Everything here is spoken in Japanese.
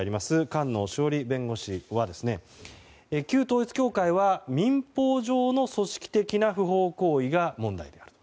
菅野志桜里弁護士は旧統一教会は民法上の組織的な不法行為が問題である。